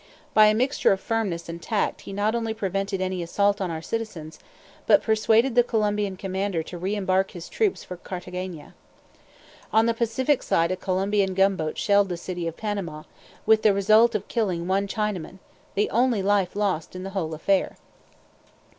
By a mixture of firmness and tact he not only prevented any assault on our citizens, but persuaded the Colombian commander to reembark his troops for Cartagena. On the Pacific side a Colombian gunboat shelled the City of Panama, with the result of killing one Chinaman the only life lost in the whole affair.